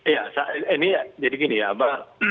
ya jadi gini ya